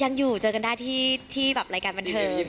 ยังอยู่เจอกันได้ที่แบบรายการบันเทิง